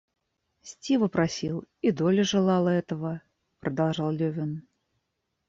Стива просил, и Долли желала этого, — продолжал Левин.